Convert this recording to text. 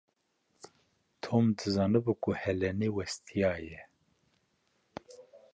Tom dizanibû ku Helenê westiyaye.